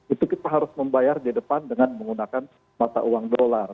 itu kita harus membayar di depan dengan menggunakan mata uang dolar